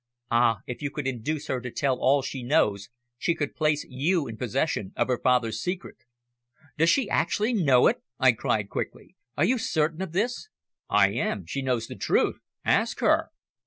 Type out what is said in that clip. Ah! if you could induce her to tell all she knows she could place you in possession of her father's secret." "Does she actually know it?" I cried quickly. "Are you certain of this?" "I am; she knows the truth. Ask her."